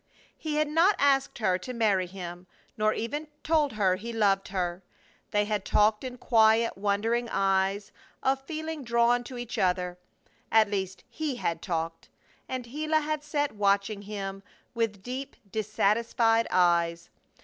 He had not asked her to marry him, nor even told her he loved her. They had talked in quiet, wondering ways of feeling drawn to each other; at least he had talked, and Gila had sat watching him with deep, dissatisfied eyes.